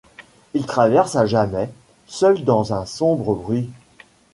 Il traverse à jamais, seul dans un sombre bruit